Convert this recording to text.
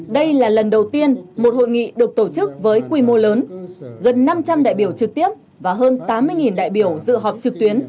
đây là lần đầu tiên một hội nghị được tổ chức với quy mô lớn gần năm trăm linh đại biểu trực tiếp và hơn tám mươi đại biểu dự họp trực tuyến